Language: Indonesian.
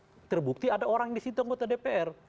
nah sekarang terbukti ada orang di situ anggota dpr